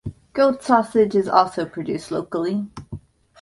Goat sausage is also produced locally.